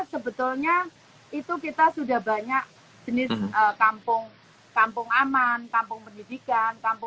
sebetulnya itu kita sudah banyak jenis kampung aman kampung pendidikan